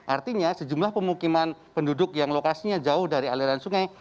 artinya sejumlah pemukiman penduduk yang lokasinya jauh dari aliran sungai